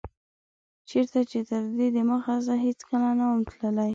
چيرته چي تر دي دمخه زه هيڅکله نه وم تللی